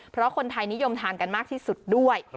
เพราะคนไทยนิยมทานกันมากที่สุดด้วย